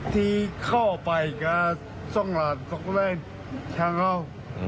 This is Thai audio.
ทีเข้าไปกับช่องหลานก็ได้ช่างเหล้า